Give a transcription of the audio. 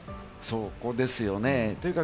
そこですよね。